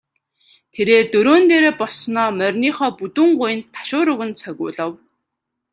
Тэрээр дөрөөн дээрээ боссоноо мориныхоо бүдүүн гуянд ташуур өгөн цогиулав.